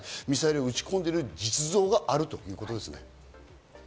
ミサイルを撃ち込んでいる実状があるということですね。